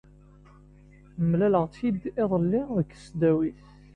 Mlaleɣ-tt-id iḍelli deg tesdawit.